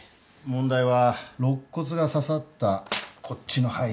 問題は肋骨が刺さったこっちの肺だな。